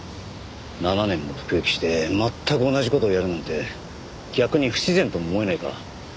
７年も服役して全く同じ事をやるなんて逆に不自然とも思えないか？